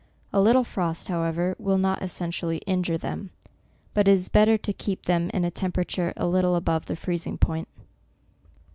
A little frost, however, will not essentially injure them ; but it is better to keep them in a tem perature a little above the freezing point.